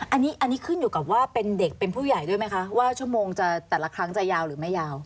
อันนี้ขึ้นอยู่กับว่าเป็นเด็กเป็นผู้ใหญ่ด้วยไหมคะว่าชั่วโมงจะแต่ละครั้งจะยาวหรือไม่ยาว